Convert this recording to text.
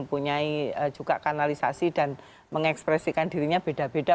punya juga kanalisasi dan mengekspresikan dirinya beda beda